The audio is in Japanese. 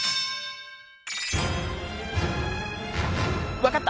わかった！